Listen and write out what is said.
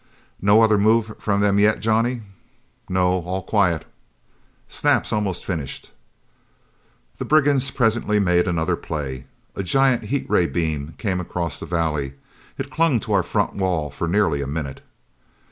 "No other move from them yet, Johnny?" "No. All quiet." "Snap's almost finished." The brigands presently made another play. A giant heat ray beam came across the valley. It clung to our front wall for nearly a minute.